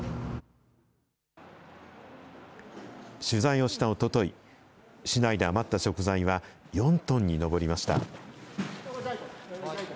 取材をしたおととい、市内で余った食材は４トンに上りました。